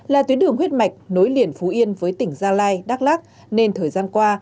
là tuyến đường huyết mạch nối liền phú yên với tỉnh gia lai đắk lắc nên thời gian qua